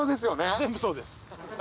全部そうです。